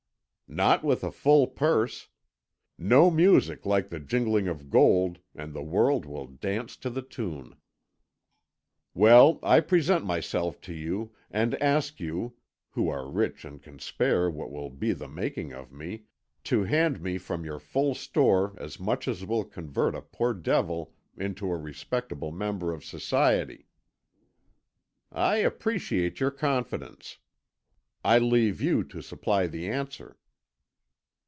"Not with a full purse. No music like the jingling of gold, and the world will dance to the tune. Well, I present myself to you, and ask you, who are rich and can spare what will be the making of me, to hand me from your full store as much as will convert a poor devil into a respectable member of society." "I appreciate your confidence. I leave you to supply the answer."